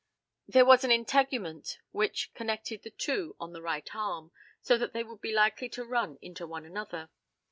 There was an integument which connected the two on the right arm, so that they would be likely to run into one another.